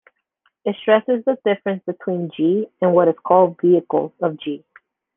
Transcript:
It stresses the difference between "g" and what it calls "vehicles" of "g".